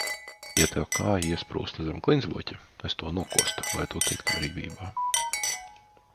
Ja tev kāja iesprūstu zem klintsbluķa, es to nokostu, lai tu tiktu brīvībā.